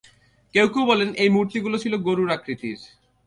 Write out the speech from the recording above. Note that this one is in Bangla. কেউ কেউ বলেন, এই মূর্তিগুলো ছিল গরুর আকৃতির।